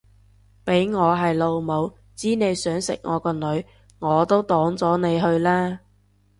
俾我係老母知你想食我個女我都擋咗你去啦